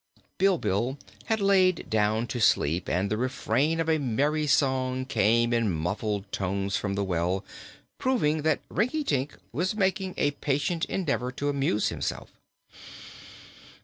Bilbil had lain down to sleep and the refrain of a merry song came in muffled tones from the well, proving that Rinkitink was making a patient endeavor to amuse himself.